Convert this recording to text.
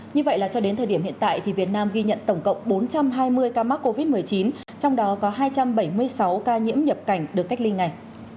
như vậy là cho đến thời điểm hiện tại thì việt nam ghi nhận tổng cộng bốn trăm hai mươi ca mắc covid một mươi chín trong đó có hai trăm bảy mươi sáu ca nhiễm nhập cảnh được cách ly ngay